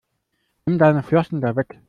Nimm deine Flossen da weg!